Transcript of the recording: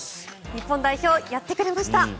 日本代表やってくれました。